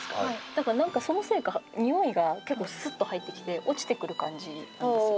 だからなんかそのせいか匂いが結構スッと入ってきて落ちてくる感じなんですよ。